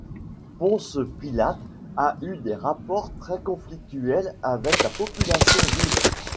Ponce Pilate a eu des rapports très conflictuels avec la population juive.